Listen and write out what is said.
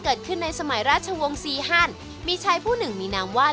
เกิดขึ้นในสมัยราชวงศ์ซีฮันมีชายผู้หนึ่งมีนามว่า